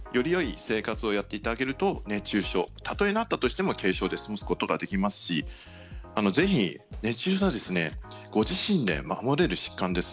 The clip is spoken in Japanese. こういったグッズを使いながらよりよい生活をやっていただけると熱中症例えなったとしても軽症で済ますことができますしぜひ、熱中症はご自身で守れる疾患です。